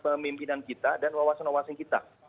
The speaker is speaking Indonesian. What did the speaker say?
ketiga itu kemampuan kita dan wawasan wawasan kita